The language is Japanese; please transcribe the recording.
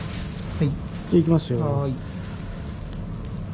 はい。